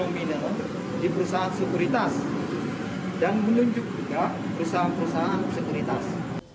dan menunjukkan perusahaan perusahaan segeritas